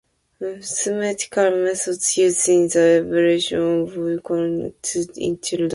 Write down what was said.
Mathematical methods used in the evaluation of chronic tonsillitis in children.